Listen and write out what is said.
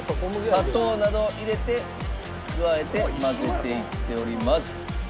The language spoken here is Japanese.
砂糖などを入れて加えて混ぜていっております。